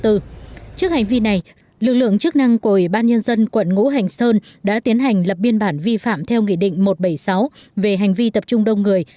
trước hành vi này lực lượng chức năng của ủy ban nhân dân quận ngũ hành sơn đã tiến hành lập biên bản vi phạm theo nghị định một trăm bảy mươi sáu về hành vi tập trung đông người